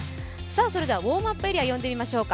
それではウォームアップエリア呼んでみましょうか。